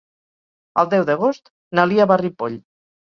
El deu d'agost na Lia va a Ripoll.